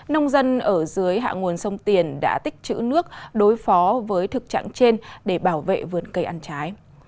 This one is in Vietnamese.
nông dân ở dưới hạ nguồn sông tiền đã tích chữ nước đối phó với thực trạng trên để bảo vệ vườn cây ăn trái